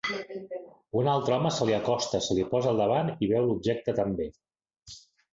Un altre home se li acosta, se li posa al davant i veu l'objecte també.